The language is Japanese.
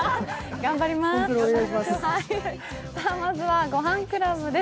頑張りまーす。